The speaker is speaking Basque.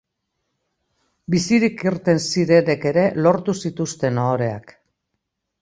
Bizirik irten zirenek ere lortu zituzten ohoreak.